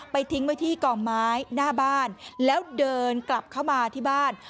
ทิ้งไว้ที่กองไม้หน้าบ้านแล้วเดินกลับเข้ามาที่บ้าน